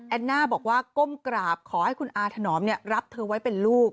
น่าบอกว่าก้มกราบขอให้คุณอาถนอมรับเธอไว้เป็นลูก